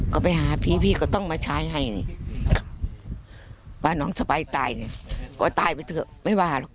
ก็ไปหาพี่ก็ต้องมาใช้ให้ว่าน้องจะไปตายก็ตายไปเถอะไม่ว่าหรอก